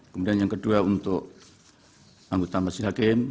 kemudian yang kedua untuk anggota majelis hakim